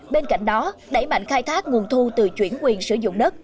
bên cạnh đó đẩy mạnh khai thác nguồn thu từ chuyển quyền sử dụng đất